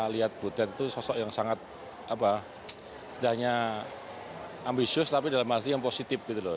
lihat butet itu sosok yang sangat ambisius tapi dalam hati yang positif gitu loh